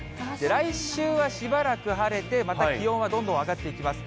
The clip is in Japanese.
来週はしばらく晴れて、また気温はどんどん上がっていきます。